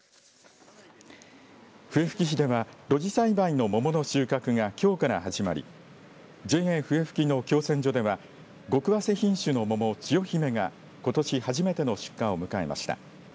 笛吹市では露地栽培の桃の収穫がきょうから始まりＪＡふえふきの共選所ではごくわせ品種の桃、ちよひめがことし初めての出荷を迎えました。